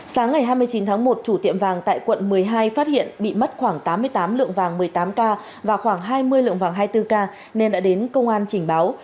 sáng ngày hai mươi chín tháng một chủ tiệm vàng tại quận một mươi hai phát hiện bị mất khoảng tám mươi tám lượng vàng một mươi tám k và khoảng hai mươi lượng vàng hai mươi bốn k nên đã đến công an trình báo